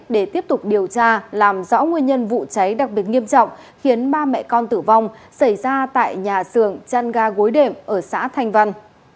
để tiếp tục điều tra làm rõ nguyên nhân vụ cháy đặc biệt nghiêm trọng khiến ba mẹ con tử vong xảy ra tại nhà xưởng chăn ga gối đệm ở xã thanh văn